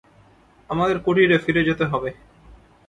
আমাদের কুটিরে ফিরে যেতে হবে।